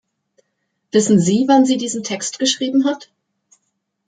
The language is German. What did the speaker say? Wissen Sie, wann sie diesen Text geschrieben hat?